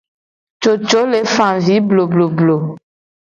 Coco le fa avi blobloblo.